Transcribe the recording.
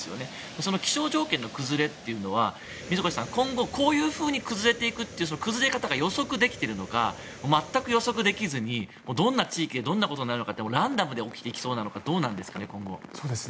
この気象条件の崩れは水越さん、今後こういうふうに崩れていくという崩れ方が予測できているのか全く予測できずにどの地域で何がランダムに起きてきそうなのかどうなんですかね。